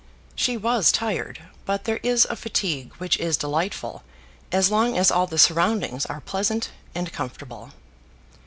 She was tired, but there is a fatigue which is delightful as long as all the surroundings are pleasant and comfortable.